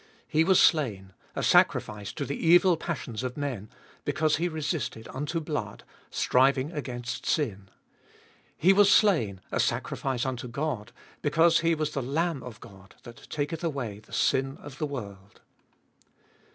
He was slain, a sacri fice to the evil passions of men, because He resisted unto blood, striving against sin. He was slain, a sacrifice unto God, be cause He was the Lamb of God that taketh away the sin of the world.